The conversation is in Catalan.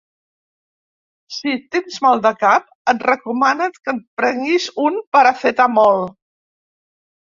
Si tens mal de cap, et recomanem que et prenguis un paracetamol